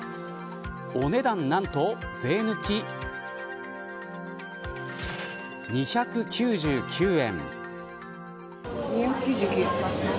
お値段何と、税抜き２９９円。